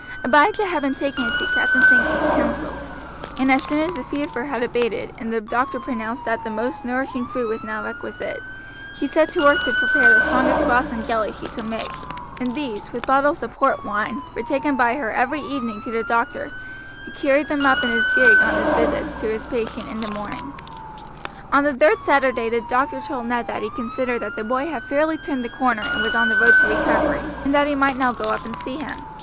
Abijah had been taken into Captain Sankey's counsels, and as soon as the fever had abated, and the doctor pronounced that the most nourishing food was now requisite, she set to work to prepare the strongest broths and jellies she could make, and these, with bottles of port wine, were taken by her every evening to the doctor, who carried them up in his gig on his visits to his patient in the morning. On the third Saturday the doctor told Ned that he considered that the boy had fairly turned the corner and was on the road to recovery, and that he might now go up and see him.